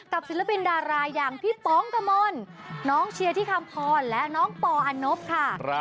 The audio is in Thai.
ศิลปินดาราอย่างพี่ป๋องกะมลน้องเชียร์ที่คำพรและน้องปอนบค่ะ